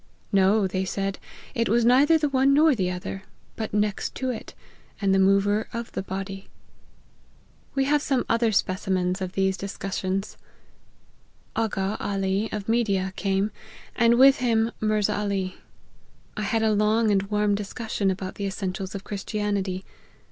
' No,' they said, ' it was neither the one nor the other ; but next to it, and the mover of the body.' " We have some other specimens of these discus sions. " Aga Ali, of Media, came, and with him and Mirza Ali, I had a long and warm discussion about the essentials of Christianity.